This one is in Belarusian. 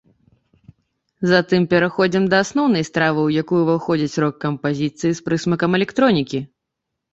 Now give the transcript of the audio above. Затым пераходзім да асноўнай стравы, у якую ўваходзяць рок-кампазіцыі з прысмакам электронікі.